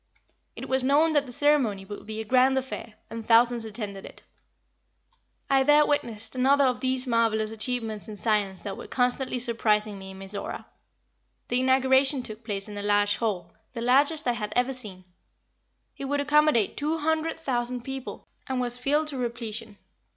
It was known that the ceremony would be a grand affair, and thousands attended it. I there witnessed another of these marvelous achievements in science that were constantly surprising me in Mizora. The inauguration took place in a large hall, the largest I had ever seen. It would accommodate two hundred thousand people, and was filled to repletion.